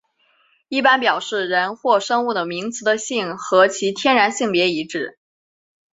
一般表示人或生物的名词的性和其天然性别一致。